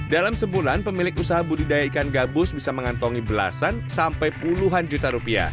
dalam sebulan pemilik usaha budidaya ikan gabus bisa mengantongi belasan sampai puluhan juta rupiah